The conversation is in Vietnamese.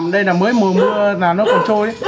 đây là mới mùa mưa nó còn trôi